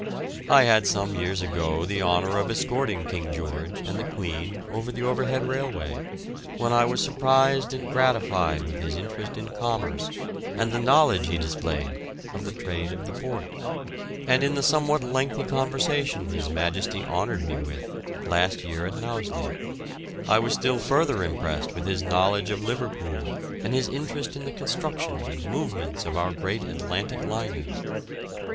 I had some years ago the honour of escorting King George and the Queen over the Overhead Railway, when I was surprised and gratified with his interest in commerce, and the knowledge he displayed of the trade of the port; and in the somewhat lengthy conversation his Majesty honoured me with last year at Knowsley, I was still further impressed with his knowledge of Liverpool and his interest in the construction and movements of our great Atlantic liners.